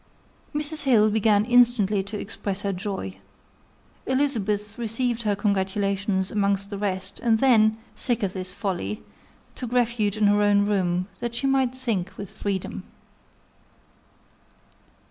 Mrs. Hill began instantly to express her joy. Elizabeth received her congratulations amongst the rest, and then, sick of this folly, took refuge in her own room, that she might think with freedom.